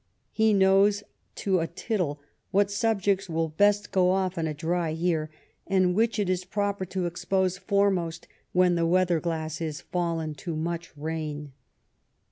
He knows to a tittle what subjects will best go off in a dry year and which it is proper to expose foremost when the weather glass is fallen to much rain."